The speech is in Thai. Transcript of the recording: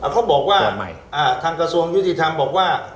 เขาบอกว่าทางกระทรวงยุติธรรมบอกว่า